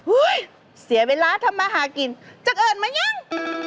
อุ๊ยเสียเวลาทำภาษากิลจักเอิญมั้งอย่าง